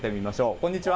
こんにちは。